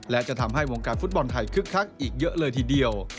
และจะทำให้วงการฟุตบอลไทยคึกคักอีกเยอะเลยทีเดียว